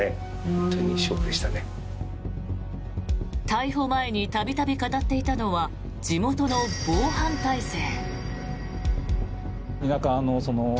逮捕前に度々語っていたのは地元の防犯体制。